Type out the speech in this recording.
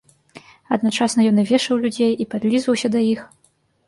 Адначасна ён і вешаў людзей і падлізваўся да іх.